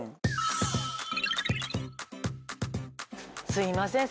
すいません。